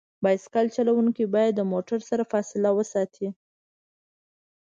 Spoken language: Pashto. بایسکل چلونکي باید د موټرو سره فاصله وساتي.